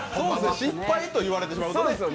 失敗と言われてしまうとね。